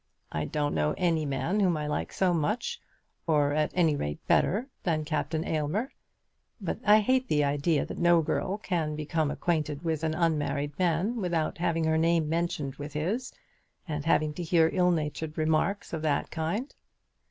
I don't know any man whom I like so much, or at any rate better, than Captain Aylmer; but I hate the idea that no girl can become acquainted with an unmarried man without having her name mentioned with his, and having to hear ill natured remarks of that kind."